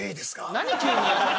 何急に。